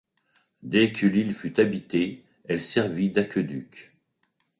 Dès que l'île fut habitée, elle servit d'aqueduc.